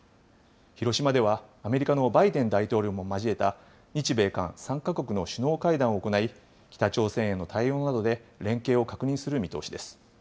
広島では、アメリカのバイデン大統領も交えた、日米韓３か国の首脳会談を行い、北朝鮮への対応などで連携を確認する見通しです。